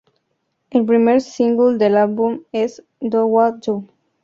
El primer single del álbum es "Do-Wah-Doo".